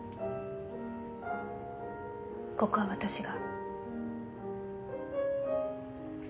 ここは私が。